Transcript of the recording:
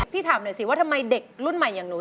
ถามหน่อยสิว่าทำไมเด็กรุ่นใหม่อย่างหนู